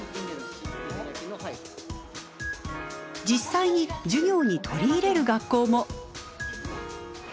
実際に授業に取り入れる学校も。